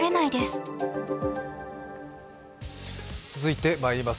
続いてまいります。